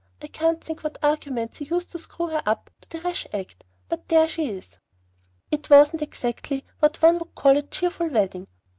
I can't think what arguments he used to screw her up to the rash act; but there she is. It wasn't exactly what one would call a cheerful wedding.